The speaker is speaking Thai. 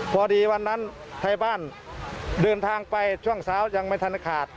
พอดีวันนั้นไทยบ้านเดินทางไปช่วงเช้ายังไม่ทันขาด